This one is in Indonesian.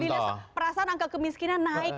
tapi kalau dilihat perasaan angka kemiskinan naik